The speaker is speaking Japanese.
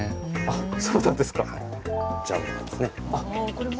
そうなんですか。